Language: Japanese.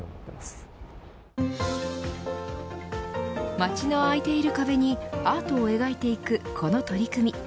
街の空いている壁にアートを描いていくこの取り組み。